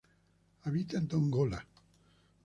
Habita en Dongola.